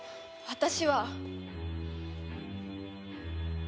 私は。